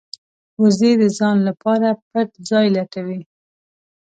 وزې د ځان لپاره پټ ځای لټوي